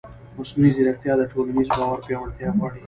مصنوعي ځیرکتیا د ټولنیز باور پیاوړتیا غواړي.